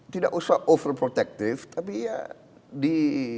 tidak usah overprotective tapi ya di